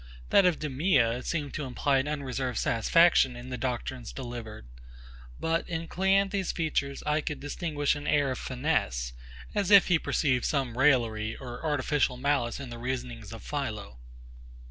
That of DEMEA seemed to imply an unreserved satisfaction in the doctrines delivered: But, in CLEANTHES's features, I could distinguish an air of finesse; as if he perceived some raillery or artificial malice in the reasonings of PHILO.